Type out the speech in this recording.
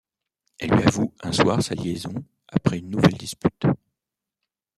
Elle lui avoue un soir sa liaison après une nouvelle dispute.